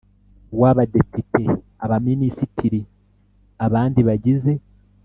w abadepite abaminisitiri abandi bagize